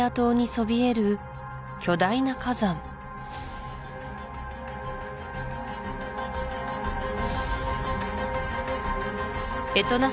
そびえる巨大な火山エトナ